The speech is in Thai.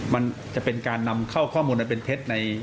มันจะเป็นการนำเข้าข้อมูลอันเป็นเท็จ